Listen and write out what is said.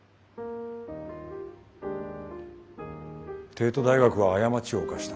帝都大学は過ちを犯した。